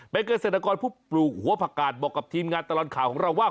เป็นเกษตรกรผู้ปลูกหัวผักกาดบอกกับทีมงานตลอดข่าวของเราว่า